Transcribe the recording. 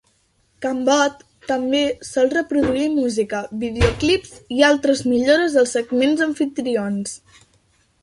Cambot també sol reproduir música, videoclips i altres millores als segments amfitrions.